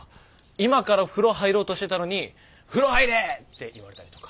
今から風呂入ろうとしてたのに「風呂入れ」って言われたりとか！